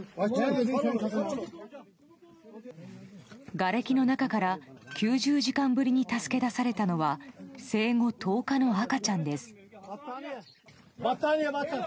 がれきの中から９０時間ぶりに助け出されたのは生後１０日の赤ちゃんです。